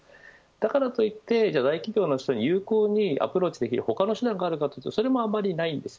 だからといって大企業の人に有効にアプローチできる他の手段があるかというとそれもあまりないです。